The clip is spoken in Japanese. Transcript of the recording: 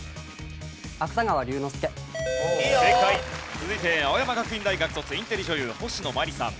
続いて青山学院大学卒インテリ女優星野真里さん。